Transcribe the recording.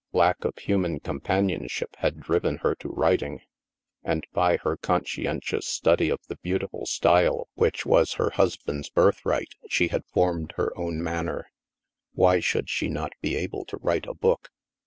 Lack of human companionship had driven her to writing. And by her conscien tious study of the beautiful style which was her hus band's birthright, she had formed her own manner. Why should she not be able to write a book?